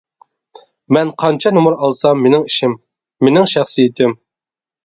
مەن قانچە نومۇر ئالسام مېنىڭ ئىشىم، مېنىڭ شەخسىيىتىم.